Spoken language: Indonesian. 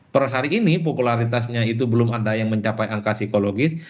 per hari ini popularitasnya itu belum ada yang mencapai angka psikologis